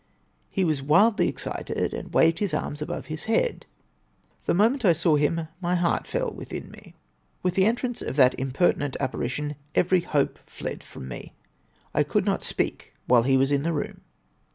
He was wildly excited, and waved his arms above his head. The moment I saw him, my heart fell within me. With the entrance of that impertinent apparition, every hope fled from me. I could not speak while he was in the room.